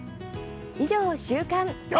以上、週刊。